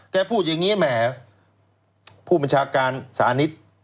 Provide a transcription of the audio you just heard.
พูดอย่างนี้แหมผู้บัญชาการสานิท